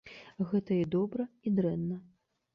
Гэта і добра і дрэнна.